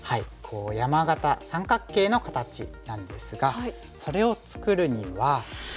山型三角形の形なんですがそれを作るには。